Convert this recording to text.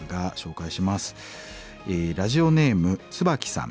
ラジオネームツバキさん。